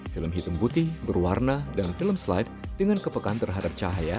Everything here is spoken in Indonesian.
film hitam putih berwarna dan film slide dengan kepekan terhadap cahaya